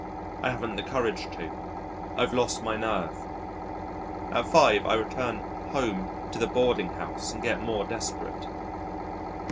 I haven't the courage to. I've lost my nerve. At five I return "home" to the Boarding house and get more desperate.